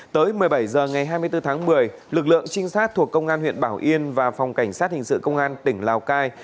tới một mươi bảy h ngày hai mươi bốn tháng một mươi lực lượng trinh sát thuộc công an huyện bảo yên và phòng cảnh sát hình sự công an tỉnh lào cai